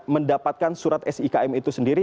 mendapatkan surat sikm itu sendiri